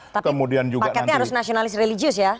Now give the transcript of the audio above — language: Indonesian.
tapi paketnya harus nasionalis religius ya